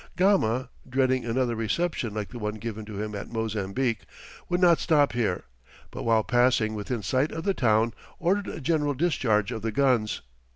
Gama, dreading another reception like the one given to him at Mozambique, would not stop here, but while passing within sight of the town, ordered a general discharge of the guns.